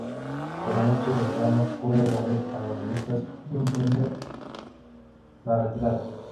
Por la noche Belgrano pudo evadir a los realistas y emprender la retirada.